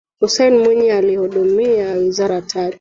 Hussein Mwinyi alihudumia wizara tatu